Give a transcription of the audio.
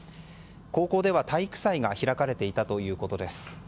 高校では体育祭が開かれていたということです。